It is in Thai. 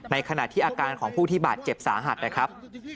ในขณะที่อาการของผู้ที่บาดเจ็บสาหัสนะครับ